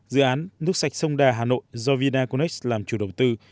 dự án nước sạch sông đà hà nội do vinaconex làm chủ đầu tư